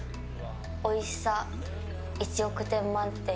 おいしさ、１億点満点。